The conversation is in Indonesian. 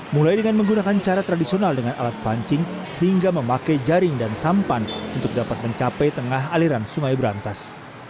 mulai dengan menggunakan cara tradisional dengan alat pancing hingga memakai jaring dan sampan untuk dapat mencapai tengah aliran sungai berantas